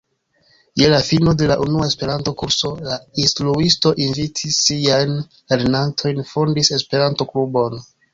Je la fino de la unua Esperanto-kurso la instruisto invitis siajn lernantojn fondi Esperanto-klubon.